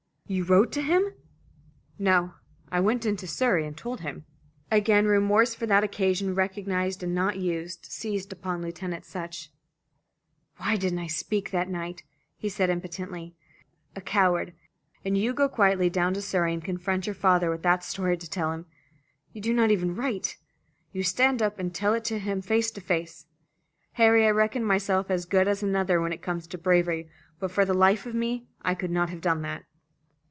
You wrote to him?" "No; I went into Surrey and told him." Again remorse for that occasion, recognised and not used, seized upon Lieutenant Sutch. "Why didn't I speak that night?" he said impotently. "A coward, and you go quietly down to Surrey and confront your father with that story to tell to him! You do not even write! You stand up and tell it to him face to face! Harry, I reckon myself as good as another when it comes to bravery, but for the life of me I could not have done that."